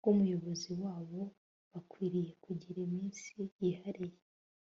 bwUmuyobozi wabo Bakwiriye kugira iminsi yihariye